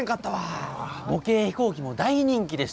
模型飛行機も大人気でした。